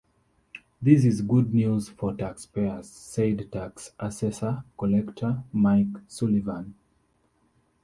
"This is good news for taxpayers," said Tax Assessor-Collector Mike Sullivan.